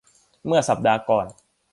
เมื่อสัปดาห์ก่อน